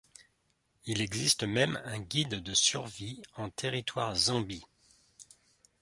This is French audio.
Il existe même un Guide de Survie en Territoire Zombie.